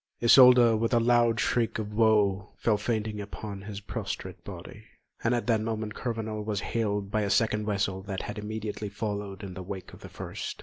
Isolda, with a loud shriek of woe, fell fainting upon his prostrate body, and at that moment Kurvenal was hailed by a second vessel that had immediately followed in the wake of the first.